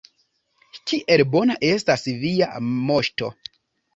Kiel bona estas Via Moŝto!